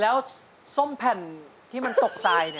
แล้วส้มแผ่นที่มันตกทราย